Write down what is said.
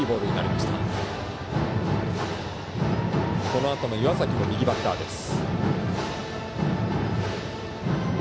このあとの岩崎も右バッターです。